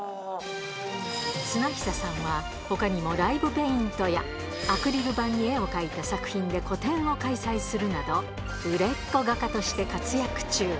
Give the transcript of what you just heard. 綱久さんは、ほかにもライブペイントや、アクリル板に絵を描いた作品で個展を開催するなど、売れっ子画家として活躍中。